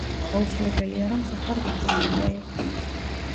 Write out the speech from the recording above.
აუცილებელია, რომ სუფრა მდიდრული უნდა იყოს.